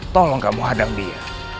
tolong kamu hadang dia